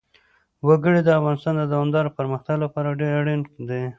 وګړي د افغانستان د دوامداره پرمختګ لپاره ډېر اړین دي.